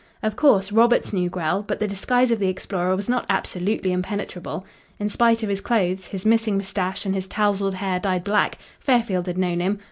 Of course, Roberts knew Grell, but the disguise of the explorer was not absolutely impenetrable. In spite of his clothes, his missing moustache, and his tousled hair dyed black, Fairfield had known him.